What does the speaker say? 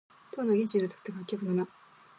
唐の玄宗の作った楽曲の名。